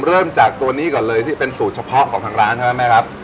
เริ่มจากตัวนี้ก่อนเลยที่เป็นสูตรเฉพาะของทางร้านใช่ไหมแม่ครับ